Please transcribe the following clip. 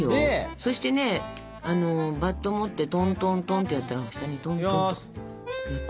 そしてねバット持ってトントントンってやったら下にトントンって。